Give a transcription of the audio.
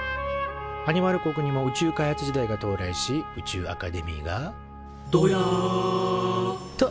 アニマル国にも宇宙開発時代が到来し宇宙アカデミーが「どや！」と誕生。